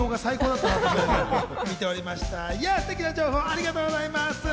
ステキな情報ありがとうございます。